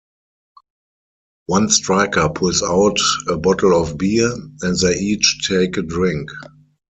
One striker pulls out a bottle of beer, and they each take a drink.